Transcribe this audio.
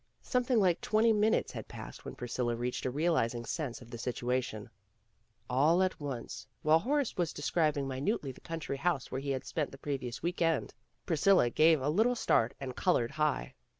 Something like twenty minutes had passed when Priscilla reached a realizing sense of the situation. All at once, while Horace was de scribing minutely the country house where he had spent the previous week end, Priscilla gave a little start and colored high.